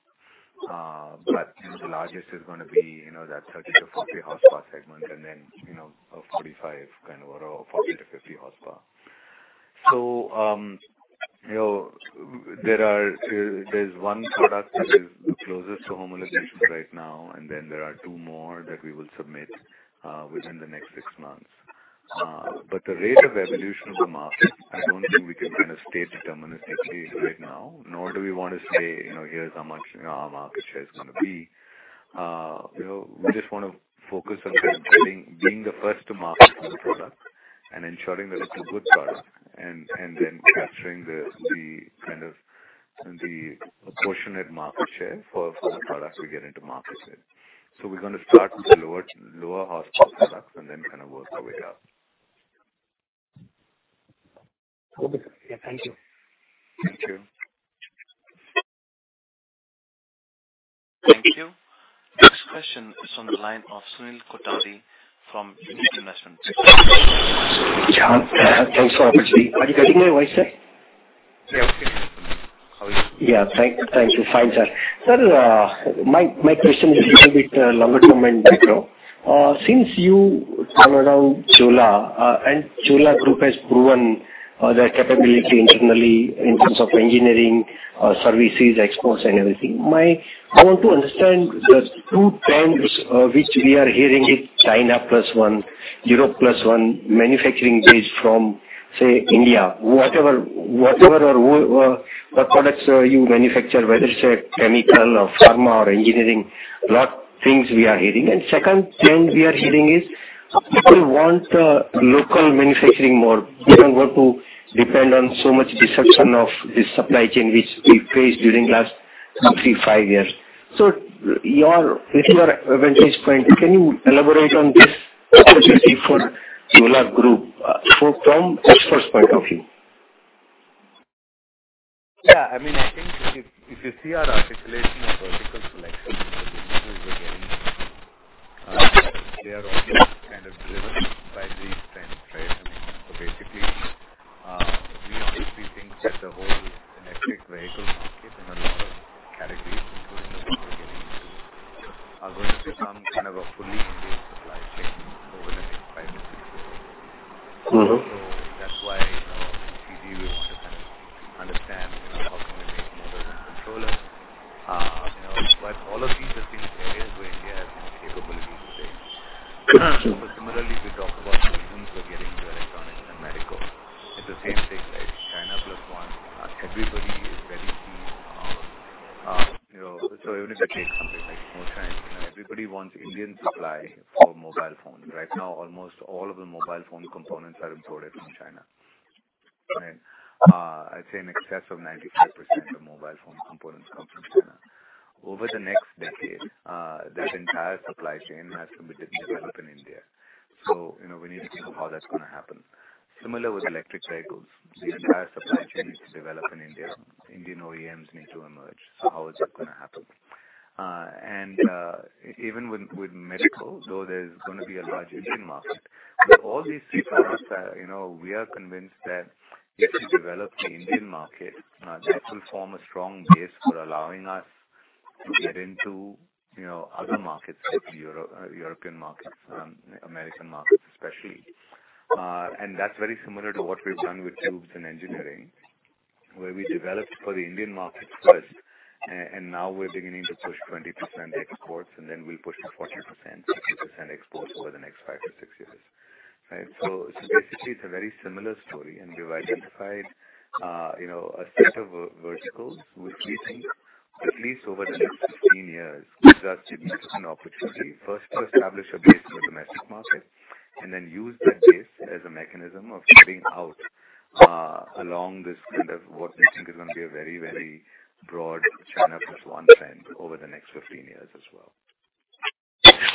You know, the largest is gonna be, you know, that 30-40 horsepower segment and then, you know, a 45 kind of or a 40-50 horsepower. You know, there are. There's 1 product that is the closest to homologation right now, and then there are two more that we will submit within the next six months. The rate of evolution of the market, I don't think we can kind of state deterministically right now, nor do we want to say, you know, here's how much, you know, our market share is gonna be. You know, we just wanna focus on kind of being the first to market with the product and ensuring that it's a good product and then capturing the proportionate market share for the products we get into market with. We're gonna start with the lower horsepower products and then kind of work our way up. Okay. Yeah. Thank you. Thank you. Thank you. Next question is from the line of Sunil Kothari from Unita Investments. Yeah. Thanks for the opportunity. Are you getting my voice, sir? Yeah. How are you? Yeah. Thank you. Fine, sir. Sir, my question is a little bit longer term and macro. Since you turnaround Chola, and Murugappa Group has proven their capability internally in terms of engineering services, exports and everything. I want to understand the two trends, which we are hearing is China Plus One, Europe Plus One, manufacturing base from, say, India. Whatever what products you manufacture, whether it's a chemical or pharma or engineering, lot things we are hearing. Second trend we are hearing is people want local manufacturing more. People want to depend on so much disruption of the supply chain which we faced during last three to five years. With your vantage point, can you elaborate on this opportunity for Murugappa Group from exports point of view? Yeah. I mean, I think if you see our articulation of vertical selections and the niches we're getting into, they are also kind of driven by these kind of trends. I mean, basically, we obviously think that the whole electric vehicle market and a lot of categories, including the ones we're getting into, are going to become kind of a fully Indian supply chain over the next five to six years. Mm-hmm. That's why, you know, in TI we want to kind of understand, you know, how can we make motors and controllers. You know, all of these are things, areas where India has kind of capability today. Correct. Similarly, we talk about the reasons we're getting to electronics and medical. It's the same thing, right? China Plus One. Everybody is very keen on, you know, so even if it takes something like more time, you know, everybody wants Indian supply for mobile phones. Right now, almost all of the mobile phone components are imported from China, right? I'd say in excess of 95% of mobile phone components come from China. Over the next decade, that entire supply chain has to be developed in India. You know, we need to think of how that's gonna happen. Similar with electric vehicles. The entire supply chain needs to develop in India. Indian OEMs need to emerge. How is that gonna happen? And even with medical, though there's gonna be a large Indian market. All these 3 products, you know, we are convinced that if we develop the Indian market, that will form a strong base for allowing us to get into, you know, other markets, say Europe, European markets and American markets especially. That's very similar to what we've done with tubes and engineering, where we developed for the Indian market first and now we're beginning to push 20% exports, and then we'll push to 40%-60% exports over the next five to six years, right? Basically it's a very similar story, and we've identified, you know, a set of verticals which we think at least over the next 15 years gives us significant opportunity first to establish a base in the domestic market and then use that base as a mechanism of getting out, along this kind of what we think is gonna be a very, very broad China Plus One trend over the next 15 years as well.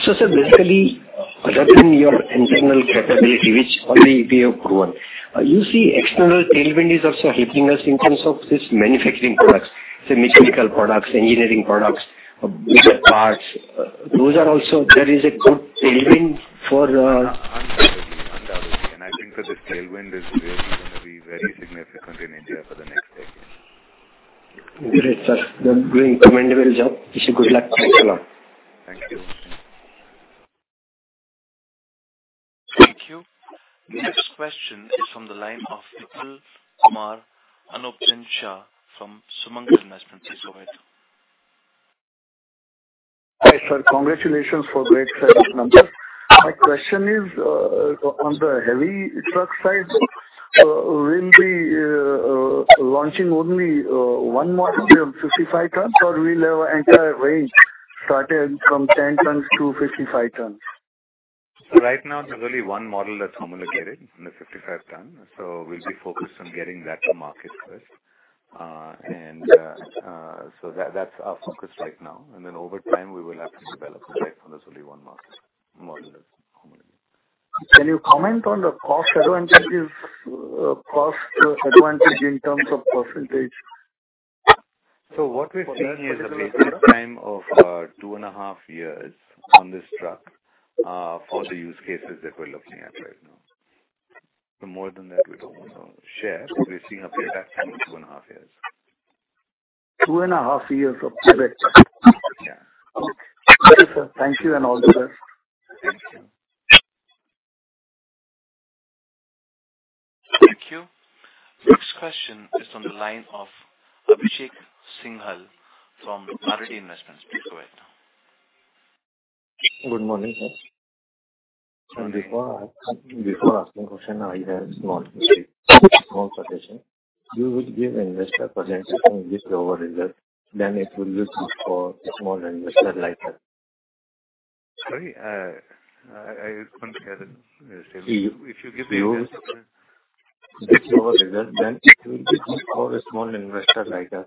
Sir, basically within your internal capability which already we have grown, you see external tailwind is also helping us in terms of this manufacturing products, say mechanical products, engineering products, bigger parts. There is a good tailwind for. Undoubtedly. I think that this tailwind is really gonna be very significant in India for the next decade. Great, sir. You are doing commendable job. Wish you good luck. Thanks a lot. Thank you. Thank you. Next question is from the line of Vikal Samar Anupam Shah from Sumanth Investments Pvt. Ltd. Hi, sir. Congratulations for great sales numbers. My question is on the heavy truck side. Will be launching only one model of 55-ton, or we'll have entire range starting from 10 tons to 55 tons? Right now there's only one model that's homologated in the 55-ton, so we'll be focused on getting that to market first. So that's our focus right now. Then over time we will have to develop, right? There's only one model that's homologated. Can you comment on the cost advantage in terms of percentage? What we've seen is a payback time of two and a half years on this truck, for the use cases that we're looking at right now. More than that, we don't wanna share. We're seeing a payback time of two and a half years. Two and a half years of payback? Yeah. Okay. Thank you, sir. Thank you and all the best. Thank you. Thank you. Next question is on the line of Abhishek Singhal from Kotak Investments. Please go ahead. Good morning, sir. Before asking question, I have a small question. You would give investor presentation with your result, then it will be for small investor like us?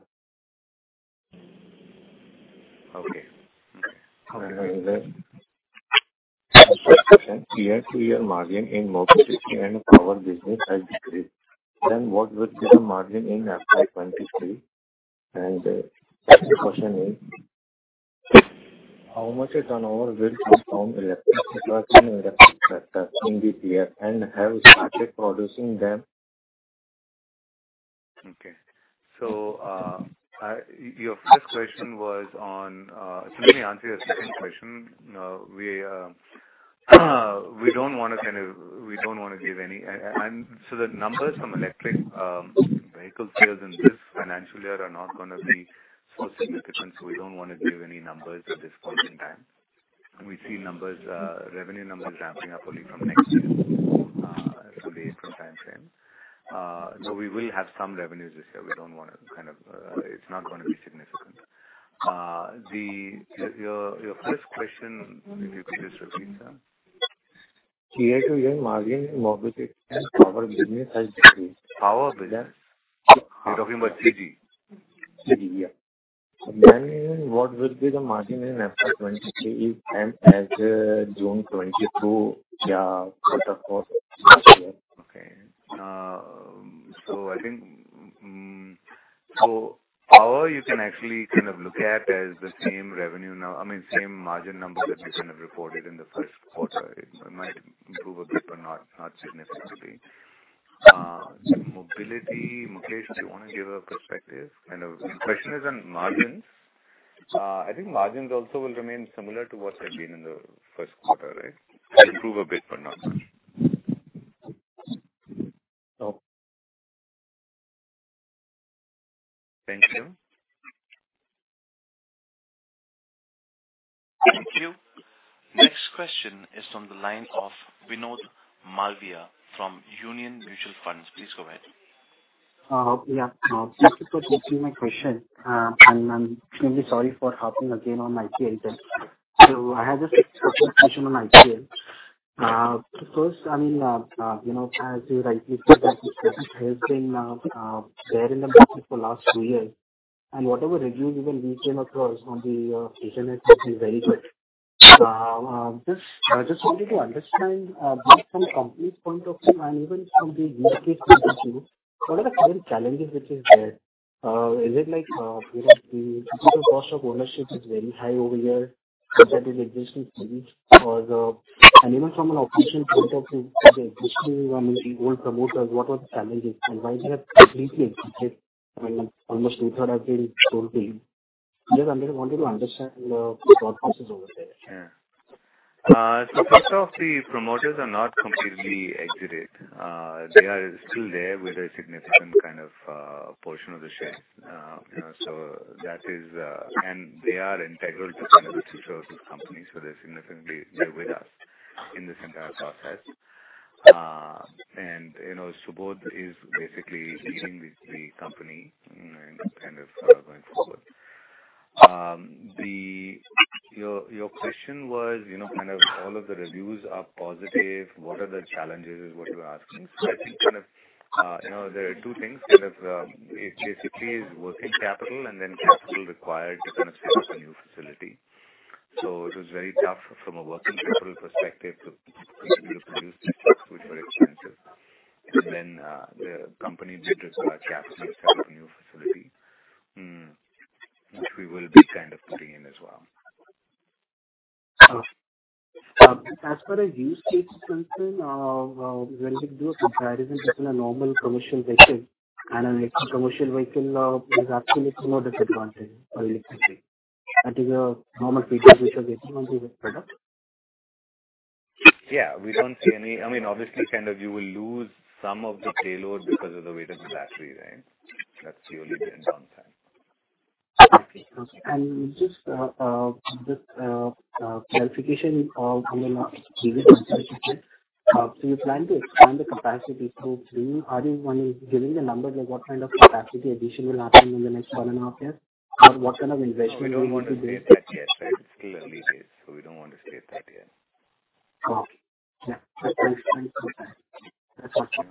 Sorry, I couldn't hear it. If you give the If you give the- With your result, then it will be for a small investor like us. Okay. The first question, year-over-year margin in mobility and power business has decreased. What would be the margin in FY 2023? Second question is, how much the turnover will be from electric vehicles and electric tractors in BPF and have started producing them? Okay. Your first question was on. Let me answer your second question. We don't wanna give any. The numbers from electric vehicle sales in this financial year are not gonna be so significant, so we don't wanna give any numbers at this point in time. We see revenue numbers ramping up only from next year, the 18-month timeframe. We will have some revenues this year. It's not gonna be significant. Your first question, if you could just repeat, sir. Year-over-year margin in mobility and power business has decreased. Power business? You're talking about CG. CG, yeah. What will be the margin in FY 2023 if, as of June 2022, your Q4 last year? Okay. I think power you can actually kind of look at as the same revenue now, I mean, same margin numbers that we kind of reported in the first quarter. It might improve a bit, but not significantly. Mobility, Mukesh do you wanna give a perspective? The question is on margins. I think margins also will remain similar to what they've been in the first quarter, right? Improve a bit, but not much. Okay. Thank you. Thank you. Next question is on the line of Vinod Malviya from Union Mutual Fund. Please go ahead. Yeah. Thank you for taking my question. I'm extremely sorry for hopping again on EV segment. I have a quick question on EV segment. First, I mean, you know, as you rightly said that this business has been there in the market for last two years, and whatever reviews even we came across on the social networks is very good. Just, I just wanted to understand both from company's point of view and even from the use case point of view, what are the current challenges which is there? Is it like, you know, the total cost of ownership is very high over here compared to the existing CNGs? Or the Even from an operations point of view with the existing, I mean, old promoters, what were the challenges and why is there completely exited? I mean, almost two-thirds have been sold to you. Just I'm gonna want you to understand the thought process over there. Yeah. So first off, the promoters are not completely exited. They are still there with a significant kind of portion of the shares. You know, so that is. They are integral to kind of the future of this company, so they're with us in this entire process. You know, Subodh is basically leading the company and kind of going forward. Your question was, you know, kind of all of the reviews are positive, what are the challenges is what you're asking. I think kind of, you know, there are two things. It basically is working capital and then capital required to kind of set up a new facility. It was very tough from a working capital perspective to be able to produce these trucks which were expensive. The company did require capital to set up a new facility, which we will be kind of putting in as well. As per a use case concern, when we do a comparison between a normal commercial vehicle and an electric commercial vehicle, there's actually no disadvantage for electric. That is a normal feedback which we are getting on this product. Yeah. We don't see any. I mean, obviously, kind of, you will lose some of the payload because of the weight of the battery, right? That's the only thing sometimes. Okay. Just clarification on the last. So you plan to expand the capacity to three. Are you one, giving the number, like what kind of capacity addition will happen in the next one and a half years? Or what kind of investment do you- We don't want to state that yet, right? It's still early days, so we don't want to state that yet. Okay. Yeah. Thanks. Thanks for that. That's okay.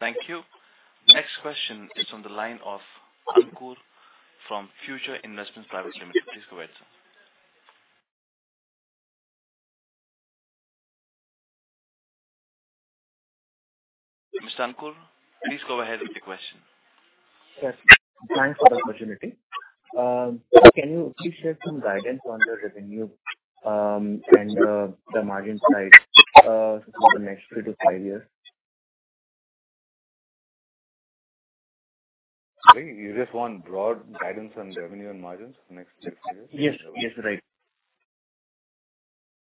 Thank you. Next question is on the line of Ankur from Future Investments Private Limited. Please go ahead, sir. Mr. Ankur, please go ahead with your question. Yes. Thanks for the opportunity. Can you please share some guidance on the revenue, and the margin side, for the next three to five years? Sorry, you just want broad guidance on revenue and margins for the next three to five years? Yes. Yes. Right.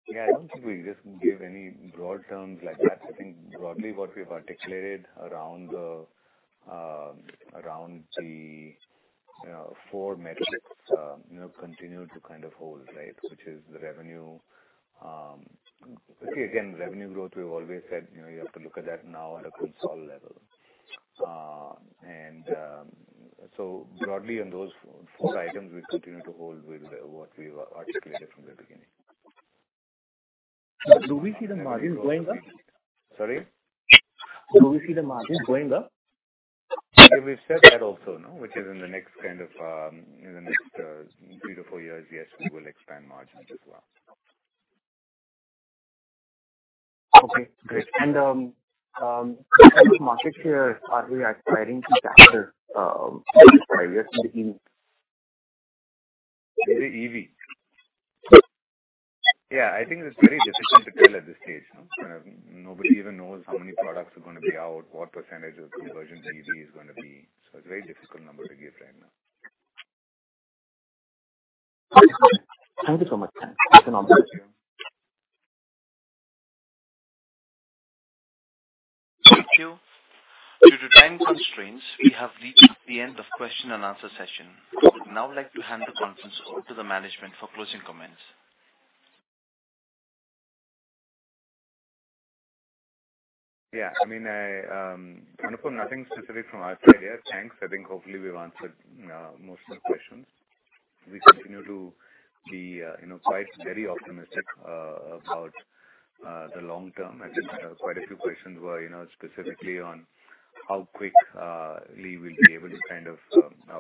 Yeah, I don't think we just give any broad terms like that. I think broadly what we've articulated around the four metrics, you know, continue to kind of hold, right? Which is the revenue. Okay, again, revenue growth we've always said, you know, you have to look at that now on a consolidated level. Broadly on those four items we continue to hold with what we've articulated from the beginning. Do we see the margins going up? Sorry? Do we see the margins going up? We've said that also, no? Which is in the next three to four years, yes, we will expand margins as well. Okay, great. Market shares, are we acquiring some factors for five years in EV? In EV? Yeah, I think it's very difficult to tell at this stage. Nobody even knows how many products are gonna be out, what percentage of conversion to EV is gonna be. It's a very difficult number to give right now. Okay. Thank you so much. Have a normal day. Thank you. Due to time constraints, we have reached the end of question and answer session. I would now like to hand the conference over to the management for closing comments. Yeah. I mean, I, Anupam Gupta, nothing specific from our side here. Thanks. I think hopefully we've answered most of the questions. We continue to be, you know, quite very optimistic about the long term. I think quite a few questions were, you know, specifically on how quickly we'll be able to kind of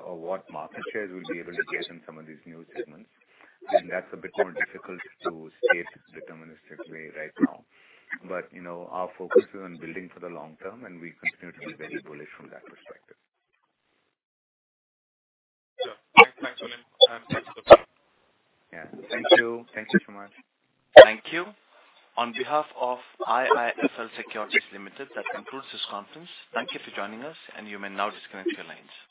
or what market shares we'll be able to get in some of these new segments. That's a bit more difficult to state deterministically right now. You know, our focus is on building for the long term, and we continue to be very bullish from that perspective. Yeah. Thanks. Thanks a lot. Yeah. Thank you. Thank you so much. Thank you. On behalf of IIFL Securities Limited, that concludes this conference. Thank you for joining us, and you may now disconnect your lines.